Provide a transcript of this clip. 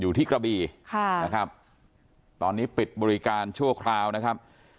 อยู่ที่กระบีค่ะนะครับตอนนี้ปิดบริการชั่วคราวนะครับ